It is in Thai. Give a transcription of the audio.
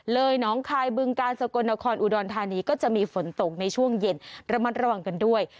น้องคายบึงกาลสกลนครอุดรธานีก็จะมีฝนตกในช่วงเย็นระมัดระวังกันด้วย